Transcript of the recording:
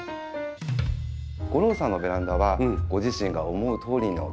吾郎さんのベランダはご自身が思うとおりの景色になってますか？